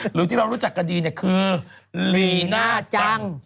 หรือที่เรารู้จักกันดีเนี่ยคือลีน่าจัง